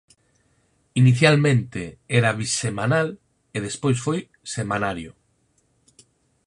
Inicialmente era bisemanal e despois foi semanario.